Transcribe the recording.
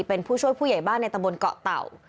เป็นผู้ช่วยผู้ใหญ่บ้านในตะบนเกาะเต่า